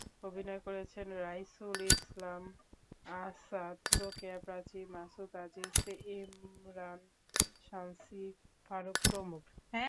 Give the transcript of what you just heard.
অভিনয় করেছেন রাইসুল ইসলাম আসাদ, রোকেয়া প্রাচী, মাসুম আজিজ, ইমরান, সানসি ফারুক প্রমুখ।